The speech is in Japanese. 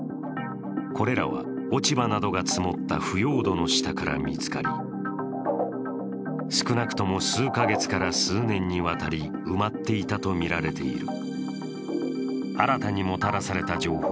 これらは落ち葉などが積もった腐葉土の下から見つかり少なくとも数カ月から数年にわたり、埋まっていたとみられている。